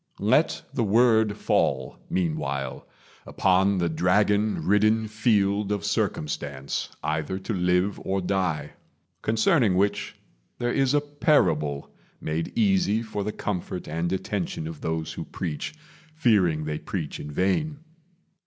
Let the word fall, Meanwhile, upon the dragon ridden field Of circumstance, either to live or die; Concerning which there is a parable, Made easy for the comfort and attention Of those who preach, fearing they preach in vain.